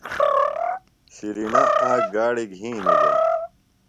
شِرینہ آک گاڑیۡ گِھینیۡ دےۡ۔